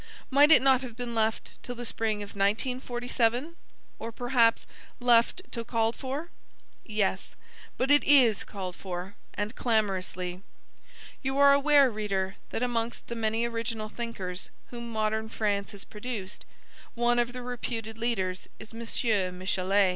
Might it not have been left till the spring of 1947? or, perhaps, left till called for? Yes, but it is called for; and clamorously. You are aware, reader, that amongst the many original thinkers, whom modern France has produced, one of the reputed leaders is M. Michelet.